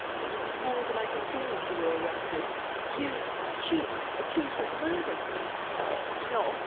It would be more than I could bear if you were arrested. You, the chief, accused of murder! No, no....